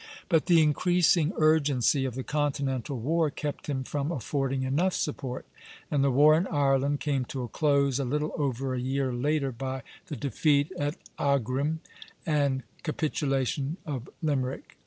But the increasing urgency of the continental war kept him from affording enough support, and the war in Ireland came to a close a little over a year later, by the defeat at Aghrim and capitulation of Limerick.